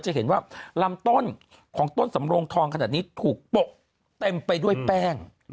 จะเห็นว่าลำต้นของต้นสำโรงทองขนาดนี้ถูกโปะเต็มไปด้วยแป้ง